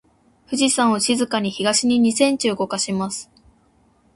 富士山を静かに東に二センチ動かします。